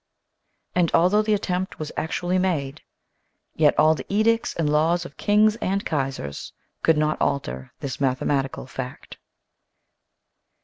And although the attempt was actually made, yet all the edicts and laws of kings and Kaisers could not alter this mathematical fact.